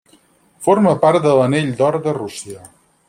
Forma part de l'anell d'or de Rússia.